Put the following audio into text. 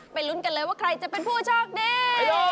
ลุ้นกันเลยว่าใครจะเป็นผู้โชคดี